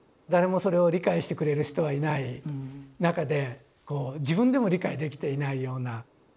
誰もそれを理解してくれる人はいない中でこう自分でも理解できていないような。